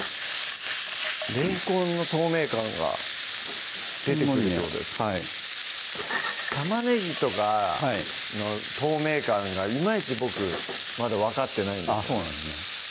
れんこんの透明感が出てくるはいたまねぎとかの透明感がいまいち僕まだ分かってないんですよね